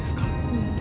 うん。